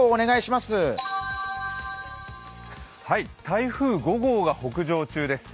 台風５号が北上中です。